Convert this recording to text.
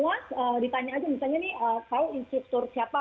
jadi semua ditanya aja misalnya nih tau instruktur siapa